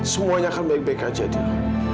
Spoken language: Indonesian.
semuanya akan baik baik aja adil